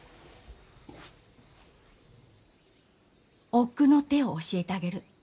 奥の手を教えてあげる。